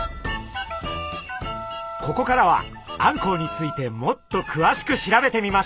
ここからはあんこうについてもっとくわしく調べてみましょう！